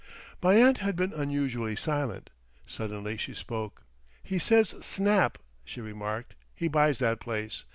My aunt had been unusually silent. Suddenly she spoke. "He says Snap," she remarked; "he buys that place.